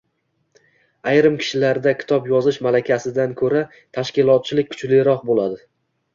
Ayrim kishilarda kitob yozish malakasidan ko‘ra tashkilotchilik kuchliroq bo‘ladi.